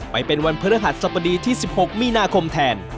ไปเป็นวันพฤหัสสบดีที่๑๖มีนาคมแทน